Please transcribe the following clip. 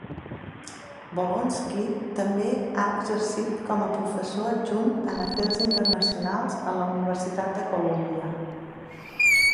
Wolosky també ha exercit com a professor adjunt en Afers Internacionals a la Universitat de Columbia.